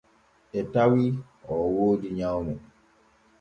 E tawi o wooda nyawne.